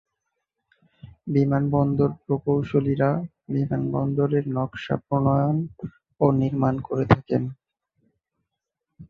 বিমানবন্দর প্রকৌশলীরা বিমানবন্দরের নকশা প্রণয়ন ও নির্মাণ করে থাকেন।